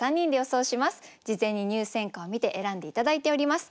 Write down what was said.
事前に入選歌を見て選んで頂いております。